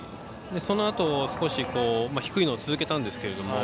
そのあと、少し低いのを続けたんですけれども。